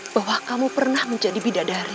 bahwa kamu pernah menjadi bidah dari